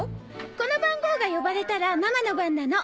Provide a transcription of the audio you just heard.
この番号が呼ばれたらママの番なの。